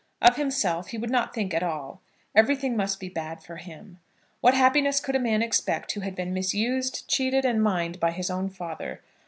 Of himself he would not think at all. Everything must be bad for him. What happiness could a man expect who had been misused, cheated, and mined by his own father?